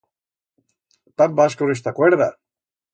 Ta án vas con esta cuerda?